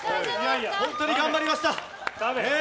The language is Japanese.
本当に頑張りました！